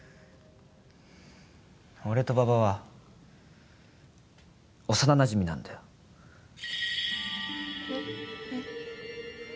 俺と馬場は幼なじみなんだよえっ？えっ？